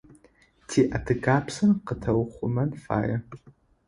Ти адыгабзэр къэтыухъумэн фае